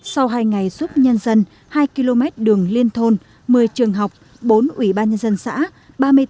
sau hai ngày giúp nhân dân hai km đường liên thôn một mươi trường học bốn ủy ban nhân dân xã